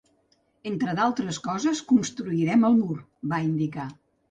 “Entre d’altres coses, construirem el mur!”, va indicar.